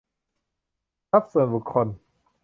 ทรัพย์ส่วนบุคคล